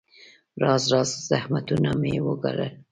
راز راز زحمتونه مې وګالل.